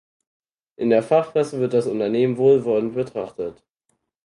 In der Fachpresse wird das Unternehmen wohlwollend betrachtet.